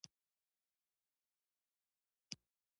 له پسرلي صاحب سره په ناستو کې.